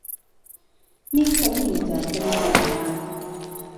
呢種現象正常嘅